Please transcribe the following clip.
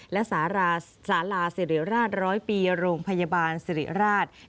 และสาราสิริราช๑๐๐ปีโรงพยาบาลสิริราช